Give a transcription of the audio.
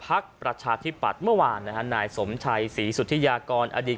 ประชาธิปัตย์เมื่อวานนะฮะนายสมชัยศรีสุธิยากรอดีต